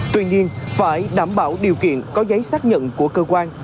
tuy nhiên phải đảm bảo điều kiện có giấy xác nhận của cơ quan